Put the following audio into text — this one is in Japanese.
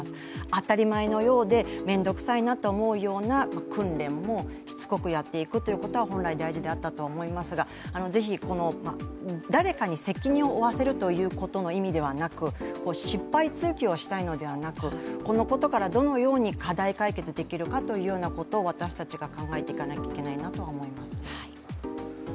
当たり前のようでめんどくさいなと思うような訓練もしつこくやっていくことは本来大事であったと思いますがぜひ誰かに責任を負わせるということの意味ではなく失敗追求したいのではなく、このことからどのように課題解決できるのかということを私たちが考えていかなければいけないなと思います。